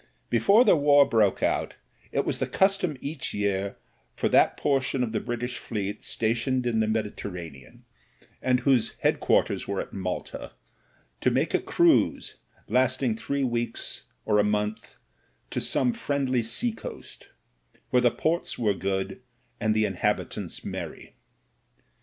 Before the war broke out it was the custom each year for that portion of the British Fleet stationed in the Mediter IS8 MEN, WOMEN AND GUNS ranean, and whose headquarters were at Malta, to make a cruise lasting three weeks or a month to some friendly sea coast, where the ports were good and the inhabitants merry.